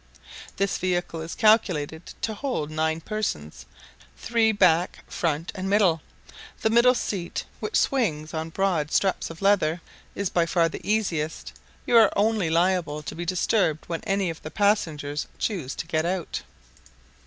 This vehicle is calculated to hold nine persons, three back, front, and middle; the middle seat, which swings on broad straps of leather; is by far the easiest, only you are liable to be disturbed when any of the passengers choose to get out.